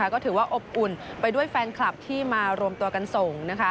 ก็ถือว่าอบอุ่นไปด้วยแฟนคลับที่มารวมตัวกันส่ง